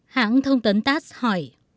hãng thông tấn tass hỏi